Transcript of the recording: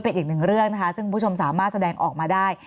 เป็นอีกหนึ่งเรื่องนะคะซึ่งผู้ชมสามารถแสดงออกมาได้